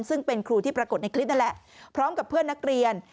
ซึ่งเป็นครูที่ปรากฏในคลิปนั่นแหละพร้อมกับเพื่อนนักเรียน